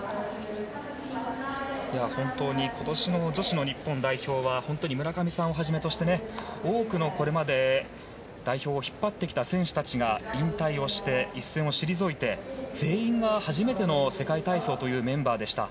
今年の女子の日本代表は村上さんをはじめとして多くの代表を引っ張ってきた選手が引退をして、一線を退いて全員が初めての世界体操というメンバーでした。